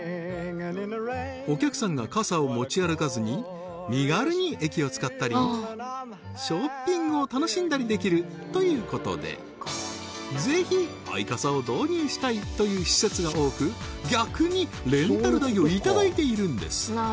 お客さんが傘を持ち歩かずに身軽に駅を使ったりショッピングを楽しんだりできるということでぜひアイカサを導入したいという施設が多く逆にレンタル代をいただいているんです